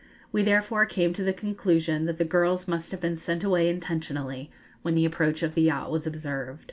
We therefore came to the conclusion that the girls must have been sent away intentionally when the approach of the yacht was observed.